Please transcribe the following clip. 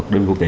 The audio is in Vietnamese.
đơn vị quốc tế